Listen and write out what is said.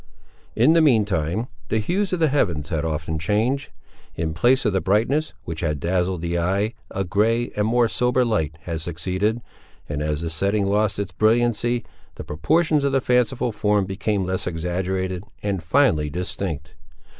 In the mean time, the hues of the heavens had often changed. In place of the brightness, which had dazzled the eye, a gray and more sober light had succeeded, and as the setting lost its brilliancy, the proportions of the fanciful form became less exaggerated, and finally distinct.